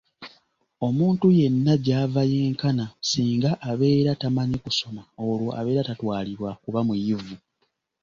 Omuntu yenna gy’ava yenkana singa abeera tamanyi kusoma olwo abeera tatwalibwa kuba muyivu.